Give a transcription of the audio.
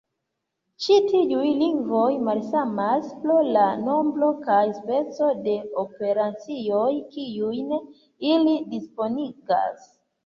Ĉi tiuj lingvoj malsamas pro la nombro kaj speco de operacioj kiujn ili disponigas.